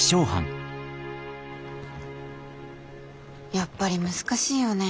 やっぱり難しいよね。